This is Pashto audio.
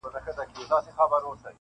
یو مرګ به تدریجي وي دا به لویه فاجعه وي,